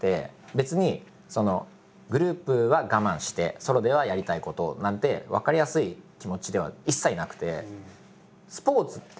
別にグループは我慢してソロではやりたいことをなんて分かりやすい気持ちでは一切なくて。